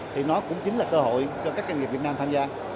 thì nó cũng chính là cơ hội cho các doanh nghiệp việt nam tham gia